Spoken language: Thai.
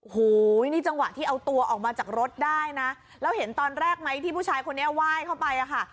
โอ้โหนี่จังหวะที่เอาตัวออกมาจากรถได้นะแล้วเห็นตอนแรกไหมที่ผู้ชายคนนี้ไหว้เข้าไปอ่ะค่ะ